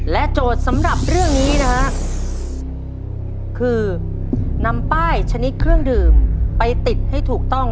โจทย์สำหรับเรื่องนี้นะฮะคือนำป้ายชนิดเครื่องดื่มไปติดให้ถูกต้อง